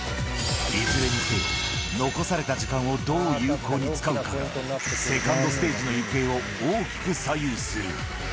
いずれにせよ、残された時間をどう有効に使うかが、セカンドステージの行方を大きく左右する。